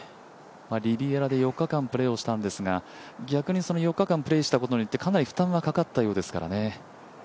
リビエラで４日間プレーしたんですが逆にその４日間プレーしたことによってかなり負担かかったようですからね。